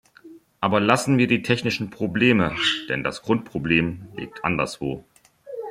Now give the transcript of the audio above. Aber lassen wir die technischen Probleme, denn das Grundproblem liegt anderswo.